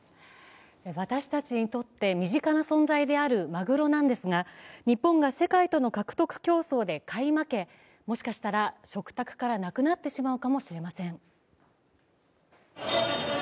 私たちにとって身近な存在であるまぐろなんですが、日本が世界との獲得競争で買い負け、もしかしたら食卓からなくなってしまうかもしれません。